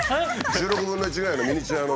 １６分の１ぐらいのミニチュアの。